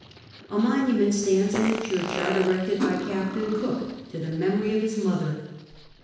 A monument stands in the churchyard erected by Captain Cook to the memory of his mother.